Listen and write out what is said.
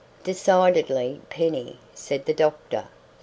"Decidedly, Penny," said the doctor.